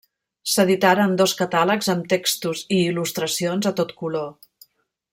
S’editaren dos catàlegs amb textos i il·lustracions a tot color.